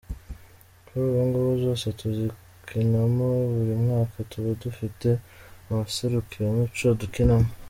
Kuri ubungubu zose tuzikinamo buri mwaka tuba dufite amaserukiramuco dukinamo.